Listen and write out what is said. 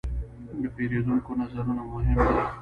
د پیرودونکو نظرونه مهم دي.